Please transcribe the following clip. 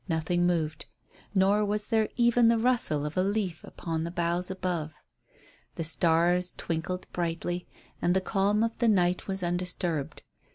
Nothing moved, nor was there even the rustle of a leaf upon the boughs above. The stars twinkled brightly, and the calm of the night was undisturbed.